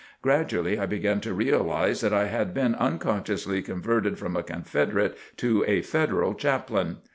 Gradually I began to realize that I had been unconsciously converted from a Confederate to a Federal Chaplain.